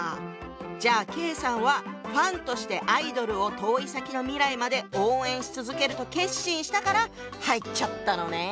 じゃあ計さんはファンとしてアイドルを遠い先の未来まで応援し続けると決心したから入っちゃったのね。